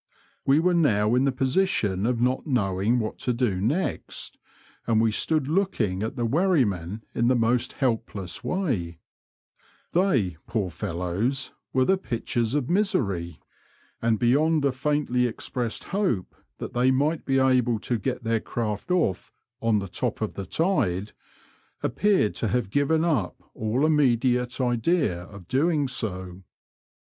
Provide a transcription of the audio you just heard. We were now in the position of not knowing what to do next, and we stood looking at the wherrymen in the most helpless way. They, poor fellows, were the pictures of misery, and Digitized by VjOOQIC 88 BROADS AND RTVERS OP NORFOLK AND SUFFOLK. beyond a faintly expressed hope that they might be able to get their craft off •' on the top of the tide," appeared to have given up all immediate idea of doing so.